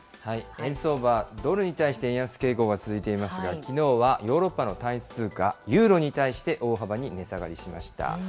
円相場、ドルに対して円安傾向が続いていますが、きのうはヨーロッパの単一通貨、ユーロに対して大幅に値下がりしました。